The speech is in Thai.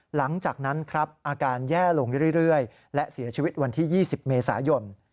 หลังจากนั้นครับอาการแย่ลงเรื่อยและเสียชีวิตวันที่๒๐เมษายน